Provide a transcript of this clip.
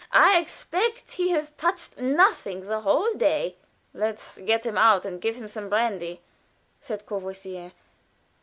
I expect he has touched nothing the whole day." "Let's get him out and give him some brandy," said Courvoisier.